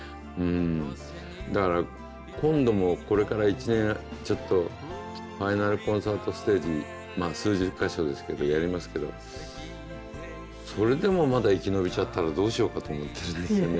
だから今度もこれから１年ちょっとファイナル・コンサートステージ数十か所ですけどやりますけどそれでもまだ生き延びちゃったらどうしようかと思ってるんですよね